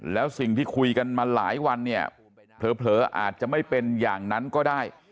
แล้วสิ่งที่คุยกันมาหลายวันเนี่ยเผลออาจจะไม่เป็นอย่างนั้นก็ได้